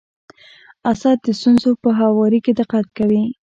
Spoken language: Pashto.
اسد د ستونزو په هواري کي دقت کوي.